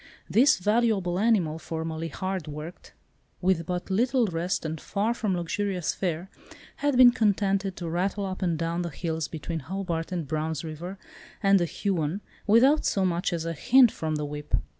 This valuable animal, formerly hard worked, with but little rest, and far from luxurious fare, had been contented to rattle up and down the hills between Hobart and Brown's River and the Huon, without so much as a hint from the whip.